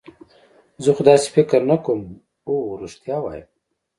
زه خو داسې فکر نه کوم، اوه رښتیا وایم.